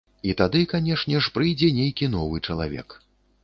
І тады, канешне ж, прыйдзе нейкі новы чалавек.